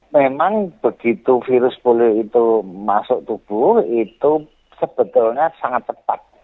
memang begitu virus polio itu masuk tubuh itu sebetulnya sangat cepat